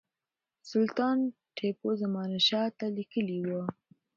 سلطان ټیپو زمانشاه ته لیکلي وه.